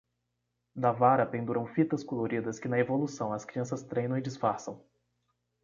Da vara penduram fitas coloridas que na evolução as crianças treinam e disfarçam.